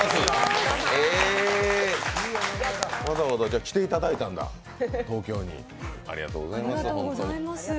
わざわざ東京来ていただいたんだ、ありがとうございます。